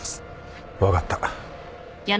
分かった。